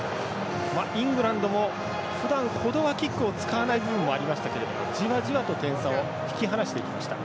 イングランドもふだんほどはキックを使わない部分がありましたがじわじわと点差を引き離していました。